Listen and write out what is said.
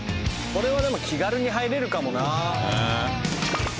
これはでも気軽に入れるかもなそうですね